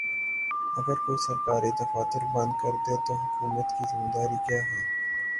اگر کوئی سرکاری دفاتر بند کردے تو حکومت کی ذمہ داری کیا ہے؟